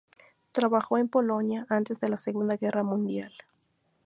Trabajó en Polonia antes de la Segunda Guerra Mundial.